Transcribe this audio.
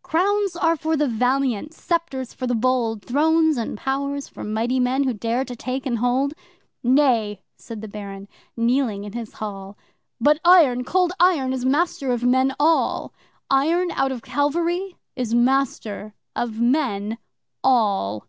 'Crowns are for the valiant sceptres for the bold! Thrones and powers for mighty men who dare to take and hold.' 'Nay!' said the Baron, kneeling in his hall, 'But Iron Cold Iron is master of men all! Iron, out of Calvary, is master of men all!